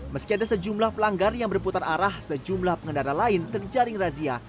meski ada sejumlah pelanggar yang berputar arah sejumlah pengendara lain terjaring razia